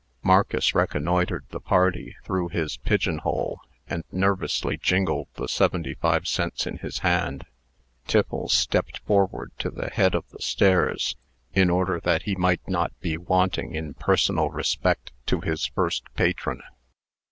Marcus reconnoitred the party through his pigeon hole, and nervously jingled the seventy five cents in his hand. Tiffles stepped forward to the head of the stairs, in order that he might not be wanting in personal respect to his first patron.